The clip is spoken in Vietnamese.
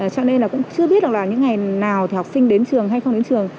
cho nên là cũng chưa biết là những ngày nào thì học sinh đến trường hay không đến trường